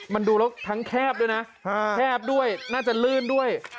มันดูแล้วทั้งแคบด้วยนะแคบด้วยน่าจะลื่นด้วย